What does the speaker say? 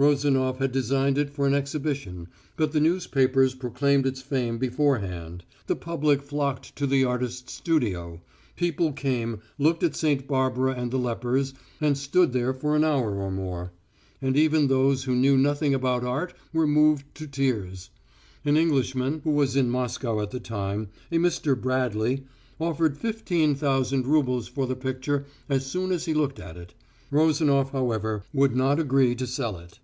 Rozanof had designed it for an exhibition, but the newspapers proclaimed its fame beforehand. The public flocked to the artist's studio. People came, looked at St. Barbara and the lepers, and stood there for an hour or more. And even those who knew nothing about art were moved to tears. An English man, who was in Moscow at the time, a Mr. Bradley, offered fifteen thousand roubles for the picture as soon as he looked at it. Rozanof, however, would not agree to sell it.